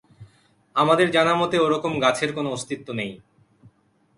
আমাদের জানা মতে ও রকম গাছের কোনো অস্তিত্ব নেই।